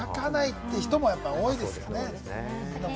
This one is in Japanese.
書かないって人も多いんですね。